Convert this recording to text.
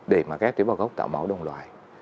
để mà ghép tế bào gốc tạo máu đồng loài